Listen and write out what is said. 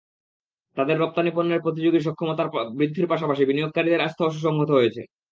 তাদের রপ্তানি পণ্যের প্রতিযোগী সক্ষমতা বৃদ্ধির পাশাপাশি বিনিয়োগকারীদের আস্থাও সুসংহত হয়েছে।